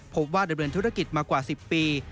พบว่าดำเนินธุรกิจมากว่า๑๐ปี